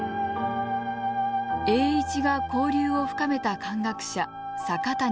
栄一が交流を深めた漢学者阪谷朗廬。